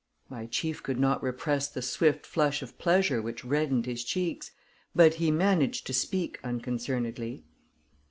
My chief could not repress the swift flush of pleasure which reddened his cheeks, but he managed to speak unconcernedly.